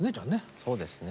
そうですね